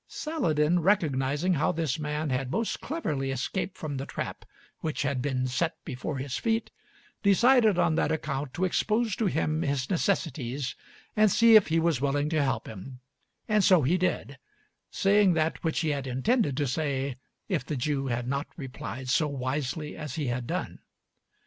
Saladin, recognizing how this man had most cleverly escaped from the trap which had been set before his feet, decided on that account to expose to him his necessities and see if he was willing to help him; and so he did, saying that which he had intended to say if the Jew had not replied so wisely as he had done.